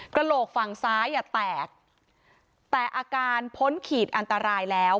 กระโหลกฝั่งซ้ายอ่ะแตกแต่อาการพ้นขีดอันตรายแล้ว